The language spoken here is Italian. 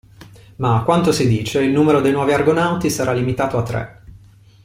Ma a quanto si dice il numero dei nuovi Argonauti sarà limitato a tre.